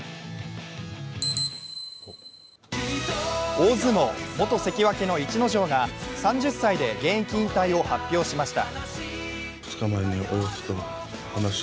大相撲・元関脇の逸ノ城が３０歳で現役引退を発表しました。